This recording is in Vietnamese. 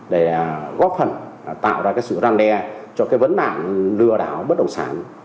để góp phần tạo ra sự răng đe cho vấn đảng lừa đảo bất động sản